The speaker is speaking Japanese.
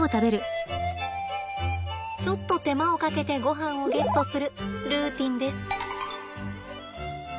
ちょっと手間をかけてごはんをゲットするルーティンです。